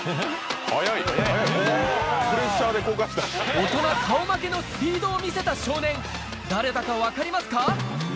大人顔負けのスピードを見せた少年誰だか分かりますか？